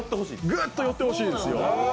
グッと寄ってほしいんですよ。